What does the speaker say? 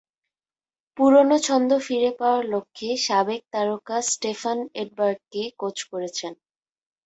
পুরোনো ছন্দ ফিরে পাওয়ার লক্ষ্যে সাবেক তারকা স্টেফান এডবার্গকে কোচ করেছেন।